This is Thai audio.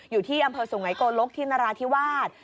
อยู่ที่อำเภอสุไงโกลกที่นราธิวาส